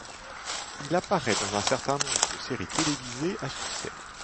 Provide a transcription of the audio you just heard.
Il apparaît dans un certain nombre de séries télévisées à succès.